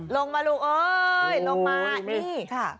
ลงมาลูกเอ้ยลงมานี่ค่ะ